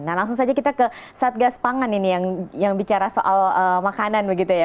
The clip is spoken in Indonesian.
nah langsung saja kita ke satgas pangan ini yang bicara soal makanan begitu ya